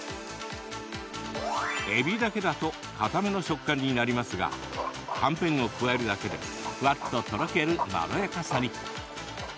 えびだけだとかための食感になりますがはんぺんを加えるだけでふわっととろけるまろやかさに。